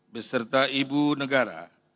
beserta ibu negara